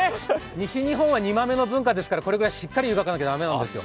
西日本は煮豆の文化ですからこれぐらいしっかり湯がかないといけないんですよ。